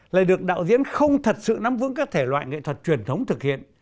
lại được đạo diễn không thật sự nắm vững các thể loại nghệ thuật truyền thống thực hiện